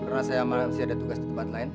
rasanya malam masih ada tugas di tempat lain